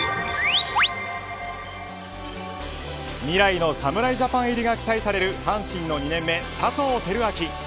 未来の侍ジャパン入りが期待される阪神の２年目、佐藤輝明。